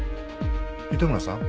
糸村さん